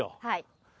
はい。